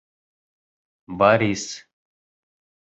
Борис: